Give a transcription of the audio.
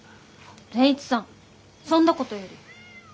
善一さんそんなことより。